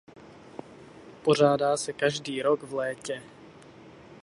Pořádá se každý rok v létě.